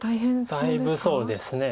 だいぶそうですね。